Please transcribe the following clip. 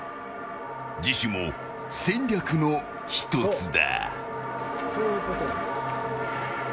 自首も戦略の１つだ。